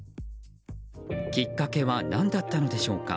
きっかけは何だったのでしょうか。